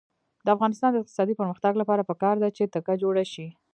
د افغانستان د اقتصادي پرمختګ لپاره پکار ده چې تکه جوړه شي.